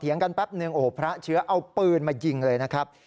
พอเถียงกันแป๊บหนึ่งพระเชื้อเอาปืนมายิงเลยนะครับ